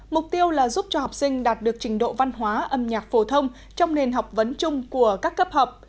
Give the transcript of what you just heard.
mục tiêu là giúp cho học sinh đạt được trình độ văn hóa âm nhạc phổ thông trong nền học vấn chung của các cấp học